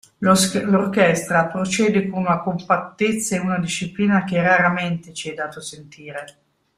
L'orchestra procede con una compattezza e una disciplina, che raramente ci è dato sentire.